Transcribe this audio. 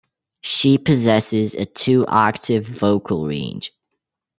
She possesses a two-octave vocal range.